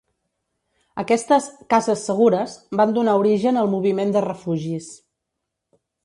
Aquestes "cases segures" van donar origen al moviment de refugis.